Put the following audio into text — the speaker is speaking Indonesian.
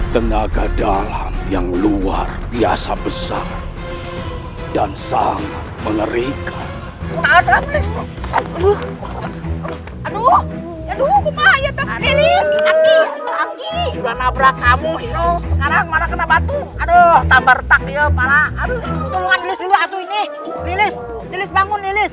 tenaga dalam yang luar biasa besar dan sangat mengerikan